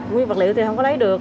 nguyên liệu thì không có lấy được